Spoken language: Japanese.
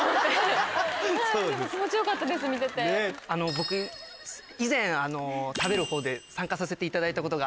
僕以前食べる方で参加させていただいたことがあって。